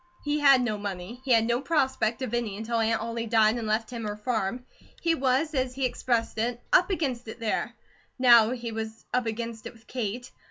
He had no money. He had no prospect of any until Aunt Ollie died and left him her farm. He was, as he expressed it, "up against it" there. Now he was "up against it" with Kate.